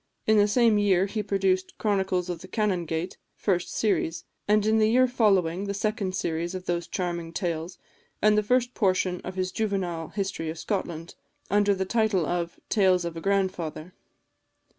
In the same year he produced "Chronicles of the Canongate," first series; and in the year following, the second series of those charming tales, and the first portion of his juvenile history of Scotland, under the title of "Tales of a Grandfather."